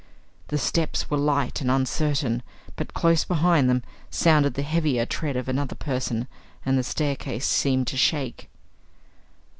The steps were light and uncertain; but close behind them sounded the heavier tread of another person, and the staircase seemed to shake.